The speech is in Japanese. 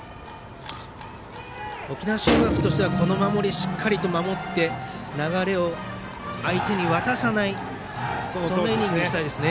沖縄尚学としてはこの守り、しっかりと守って流れを相手に渡さないイニングにしたいですね。